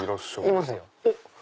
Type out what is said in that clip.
いますよ。